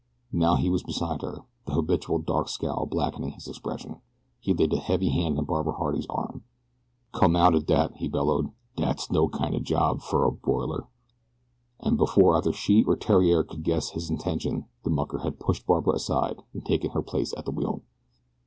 Now he was beside her. The habitual dark scowl blackened his expression. He laid a heavy hand on Barbara Harding's arm. "Come out o' dat," he bellowed. "Dat's no kind o' job fer a broiler." And before either she or Theriere could guess his intention the mucker had pushed Barbara aside and taken her place at the wheel.